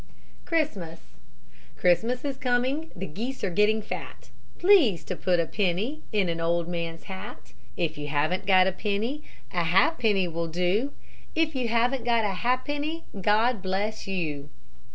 CHRISTMAS Christmas is coming, the geese are getting fat, Please to put a penny in an old man's hat; If you haven't got a penny a ha'penny will do, If you haven't got a ha'penny, God bless you.